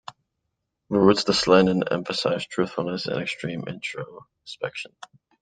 Ruotsalainen emphasized truthfulness and extreme introspection.